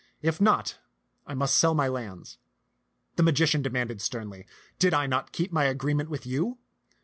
If not, I must sell my lands." The magician demanded sternly, "Did I not keep my agreement with you?"